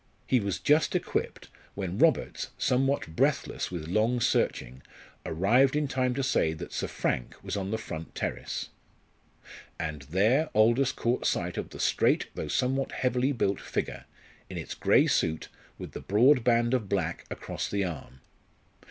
He was just equipped when Roberts, somewhat breathless with long searching, arrived in time to say that Sir Frank was on the front terrace. And there Aldous caught sight of the straight though somewhat heavily built figure, in its grey suit with the broad band of black across the arm.